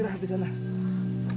furuk penungglian rachana